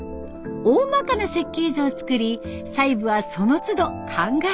おおまかな設計図を作り細部はそのつど考えてきました。